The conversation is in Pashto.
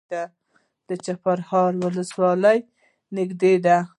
د چپرهار ولسوالۍ نږدې ده